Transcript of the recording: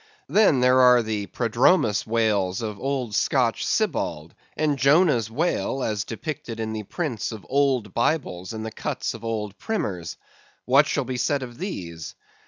Then, there are the Prodromus whales of old Scotch Sibbald, and Jonah's whale, as depicted in the prints of old Bibles and the cuts of old primers. What shall be said of these?